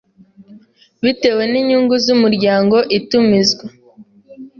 bitewe n inyungu z Umuryango Itumizwa